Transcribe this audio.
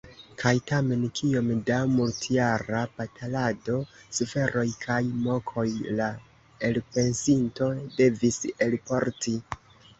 Kaj tamen kiom da multjara batalado, suferoj kaj mokoj la elpensinto devis elporti!